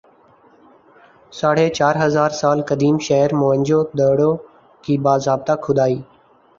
ساڑھے چار ہزار سال قدیم شہر موئن جو دڑو کی باضابطہ کھُدائی